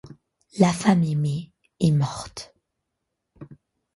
La femme aimée est morte.